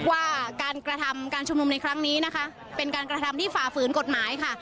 ว่าการกระทำการชุมนุมในครั้งนี้นะคะเป็นการกระทำที่ฝ่าฝืนกฎหมายค่ะ